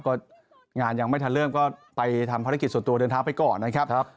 ก็งานยังไม่ทันเริ่มก็ไปทำภารกิจส่วนตัวเดินเท้าไปก่อนนะครับ